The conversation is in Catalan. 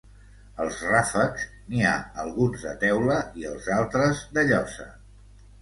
Els ràfecs n'hi ha alguns de teula i els altres de llosa.